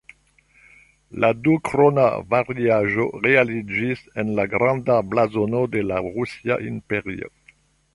La "dukrona"-variaĵo realiĝis en la "Granda blazono de la Rusia Imperio".